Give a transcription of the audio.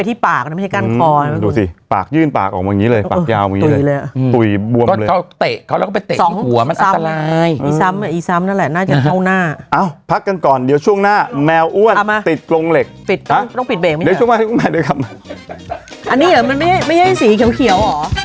ต้องปิดเบรคไม่ใช่มั้ยครับอันนี้มันไม่ให้สีเขียวอ๋อ